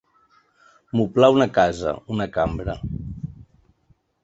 Moblar una casa, una cambra.